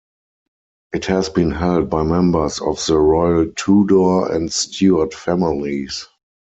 It has been held by members of the royal Tudor and Stuart families.